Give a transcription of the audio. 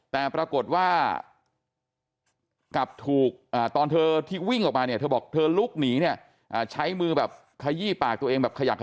แต่ปรากฏว่ากลับถูกตอนเธอที่วิ่งออกมาเนี่ยเธอบอกเธอลุกหนีเนี่ยใช้มือแบบขยี้ปากตัวเองแบบขยัก